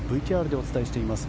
ＶＴＲでお伝えしています。